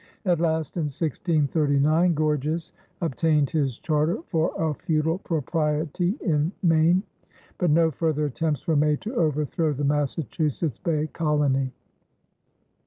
At last in 1639 Gorges obtained his charter for a feudal propriety in Maine but no further attempts were made to overthrow the Massachusetts Bay colony.